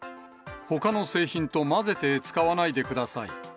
ほかの製品と混ぜて使わないでください。